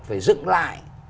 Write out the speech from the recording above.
phải dựng lại